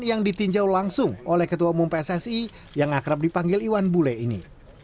yang ditinjau langsung oleh ketua umum pssi yang akrab dipanggil iwan bule ini